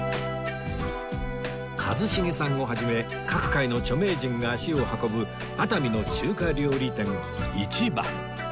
一茂さんを始め各界の著名人が足を運ぶ熱海の中華料理店壹番